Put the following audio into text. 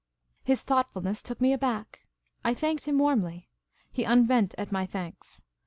His thoughtfulness took me aback. I thanked him warmly. He unbent at my thanks.